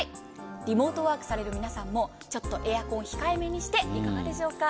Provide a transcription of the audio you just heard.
リモートワークをされる皆さんもちょっとエアコンを控えめにしていかがでしょうか。